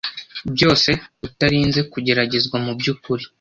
Byose utarinze kugeragezwa. Mubyukuri